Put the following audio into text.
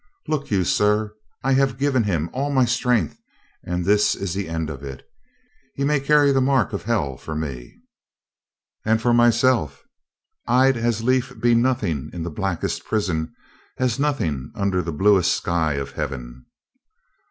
Look you, sir, I have given him all my strength and this is the end of it. He may carry the mark of hell for me. And for myself — I had as lief be nothing in the blackest prison as nothing under the bluest sky of heaven."